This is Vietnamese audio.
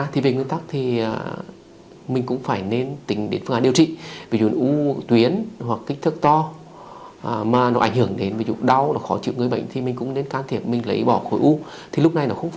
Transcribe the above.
thì về nguyên tắc thì mình cũng phải nên tính đến phương án điều trị ví dụ như u tuyến hoặc kích thước to mà nó ảnh hưởng đến ví dụ đau nó khó chịu người bệnh thì mình cũng nên can thiệp mình lấy bỏ khối u